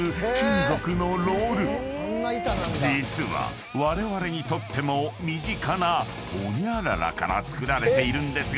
［実はわれわれにとっても身近なホニャララから造られているんですが］